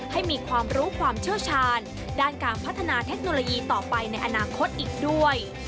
ให้มีความรู้ความเชี่ยวชาญด้านการพัฒนาเทคโนโลยีต่อไปในอนาคตอีกด้วย